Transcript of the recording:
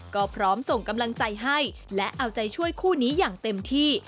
ก็พร้อมส่งกำลังใจให้และเอาใจช่วยคู่นี้อย่างเต็มที่